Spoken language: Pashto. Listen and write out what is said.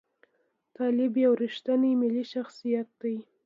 طالب یو ریښتونی ملي شخصیت دی.